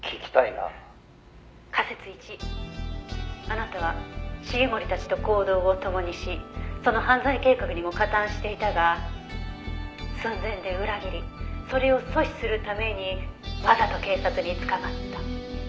１あなたは繁森たちと行動を共にしその犯罪計画にも加担していたが寸前で裏切りそれを阻止するためにわざと警察に捕まった」